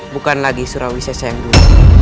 bukan lagi surawi saya yang dulu